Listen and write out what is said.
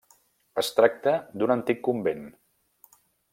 Es tracta d'un antic convent.